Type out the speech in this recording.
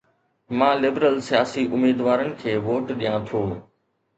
مان لبرل سياسي اميدوارن کي ووٽ ڏيان ٿو